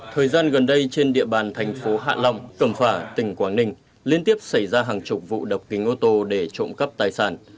thời gian gần đây trên địa bàn thành phố hạ long cẩm phả tỉnh quảng ninh liên tiếp xảy ra hàng chục vụ độc kính ô tô để trộm cắp tài sản